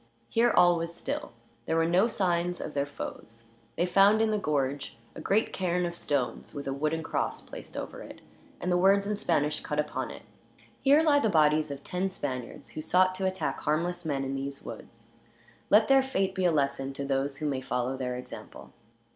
Here all was still. There were no signs of their foes. They found, in the gorge, a great cairn of stones; with a wooden cross placed over it, and the words in Spanish cut upon it: "Here lie the bodies of ten Spaniards, who sought to attack harmless men in these woods. Let their fate be a lesson to those who may follow their example."